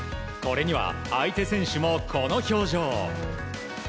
これには、相手選手もこの表情。